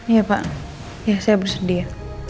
iya pak saya bersedia